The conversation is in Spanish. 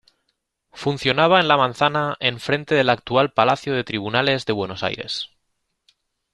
Funcionaba en la manzana enfrente del actual Palacio de Tribunales de Buenos Aires.